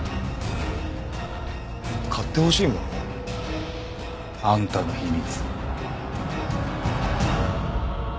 買ってほしいもの？あんたの秘密。